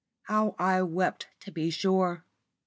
How I wept to be sure.